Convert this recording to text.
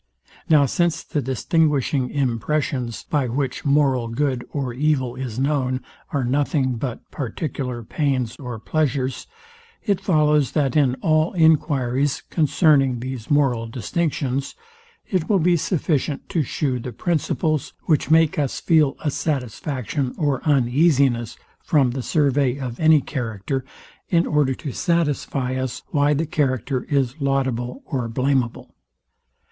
Now since the distinguishing impressions, by which moral good or evil is known, are nothing but particular pains or pleasures; it follows, that in all enquiries concerning these moral distinctions, it will be sufficient to shew the principles, which make us feel a satisfaction or uneasiness from the survey of any character, in order to satisfy us why the character is laudable or blameable.